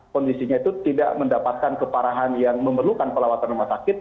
kondisinya itu tidak mendapatkan keparahan yang memerlukan perawatan rumah sakit